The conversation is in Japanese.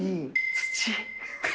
土？